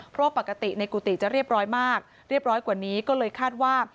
เพราะปกติในกุฏิจะเรียบร้อยมากเรียบร้อยกว่านี้ก็เลยคาดว่า